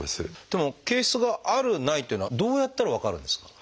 でも憩室があるないというのはどうやったら分かるんですか？